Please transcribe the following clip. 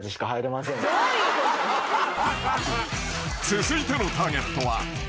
［続いてのターゲットは］